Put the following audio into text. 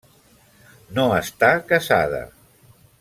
No està casada.